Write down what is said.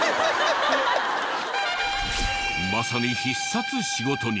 まさに必殺仕事人！